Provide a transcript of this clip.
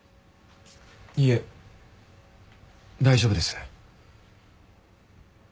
いえ大丈夫です。